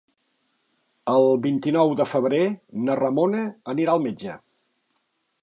El vint-i-nou de febrer na Ramona anirà al metge.